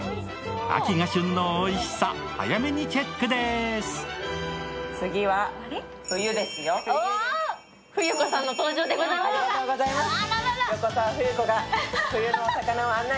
秋が旬のおいしさ、早めにチェックです。